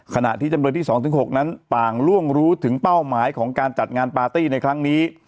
ขณะที่จำเลยที่๒๖นั้นต่างล่วงรู้ถึงเป้าหมายของการจัดงานปาร์ตี้ในครั้งนี้